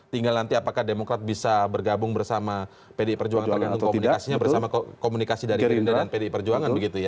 tinggal nanti apakah demokrat bisa bergabung bersama pdi perjuangan tergantung komunikasinya bersama komunikasi dari gerindra dan pdi perjuangan begitu ya